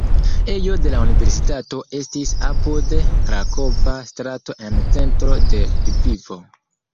Ejo de la universitato estis apud krakova strato en centro de Lvivo.